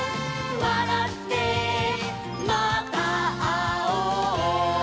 「わらってまたあおう」